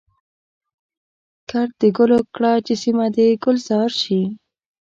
کرد د ګلو کړه چي سیمه د ګلزار شي.